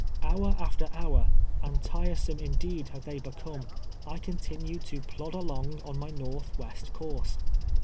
Hour after hour, and tiresome indeed had they become, I contin ued to plod along on my north west course.